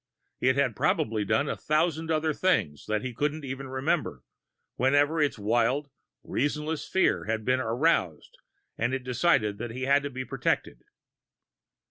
It had probably done a thousand other things that he couldn't even remember, whenever its wild, reasonless fears were aroused and it decided that he had to be protected!